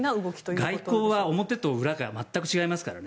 外交は表と裏と全く違いますからね。